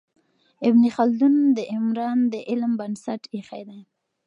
ابن خلدون د عمران د علم بنسټ ایښی دی.